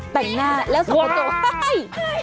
แต่งหน้าแล้วส่งตัวให้